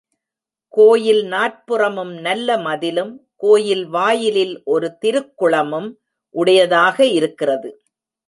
கோயில் நாற்புறமும் நல்ல மதிலும், கோயில் வாயிலில் ஒரு திருக்குளமும் உடையதாக இருக்கிறது.